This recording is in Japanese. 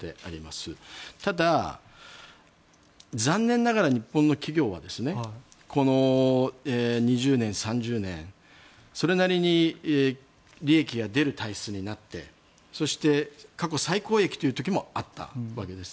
ただ、残念ながら日本の企業はこの２０年、３０年それなりに利益が出る体質になってそして過去最高益という時もあったわけです。